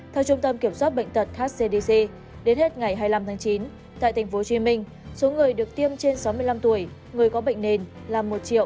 theo trung tâm kiểm soát bệnh tật hcdc đến hết ngày hai mươi năm chín tại tp hcm số người được tiêm trên sáu mươi năm tuổi người có bệnh nền là một một trăm linh bảy hai trăm sáu mươi sáu